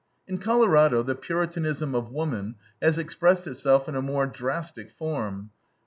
In Colorado, the Puritanism of woman has expressed itself in a more drastic form.